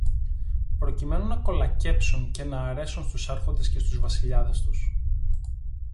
προκειμένου να κολακέψουν και να αρέσουν στους άρχοντες και στους βασιλιάδες τους.